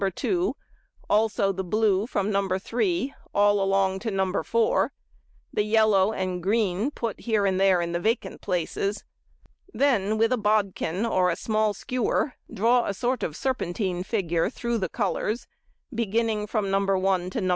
2, also the blue from No. 3, all along to No. 4; the yellow and green put here and there in the vacant places. Then with a bodkin or a small skewer draw a sort of a serpentine figure through the colours, beginning from No. 1 to No.